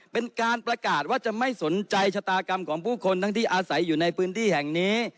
เป็นการประกาศว่าจะไม่สนใจชะตากรรมของผู้คนทั้งที่อาศัยอยู่ในพื้นที่แห่งนี้